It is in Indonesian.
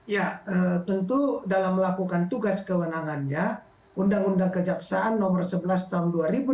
ya tentu dalam melakukan tugas kewenangannya undang undang kejaksaan nomor sebelas tahun dua ribu dua puluh